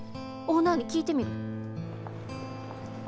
オーナーに聞いてみる。